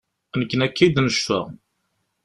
Nekni akka i d-necfa.